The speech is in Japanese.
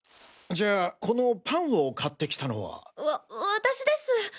じゃあこのパンを買って来たのは？わ私です。